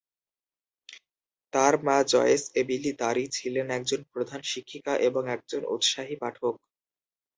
তার মা Joyce Emily দাড়ি ছিলেন একজন প্রধান শিক্ষিকা এবং একজন উৎসাহী পাঠক।